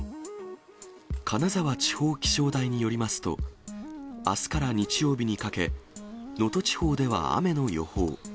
金沢気象地方台によりますと、あすから日曜日にかけ、能登地方では雨の予報。